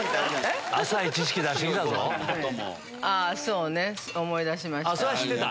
そうね思い出しました。